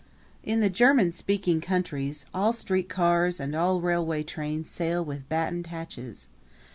In the German speaking countries all street cars and all railway trains sail with battened hatches.